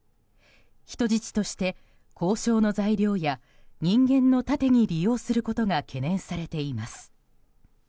人質として交渉の材料や人間の盾に利用することが懸念されています。